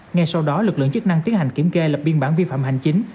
ngay sau đó lực lượng chức năng tiến hành kiểm kê lập biên bản vi phạm hành chính